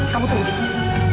kamu tunggu disini